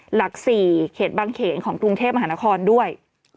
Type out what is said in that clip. หลัก๔เขตบางเขนของกรุงเทพมหานครด้วย